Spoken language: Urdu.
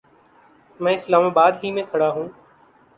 میں اسلام آباد ہی میں کھڑا ہوں